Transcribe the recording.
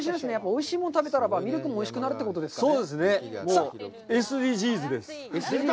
おいしいもん食べたらばミルクもおいしくなるということですね。